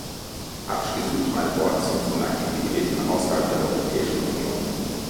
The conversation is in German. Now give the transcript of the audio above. Abschließend noch ein Wort zu unseren Aktivitäten außerhalb der Europäischen Union.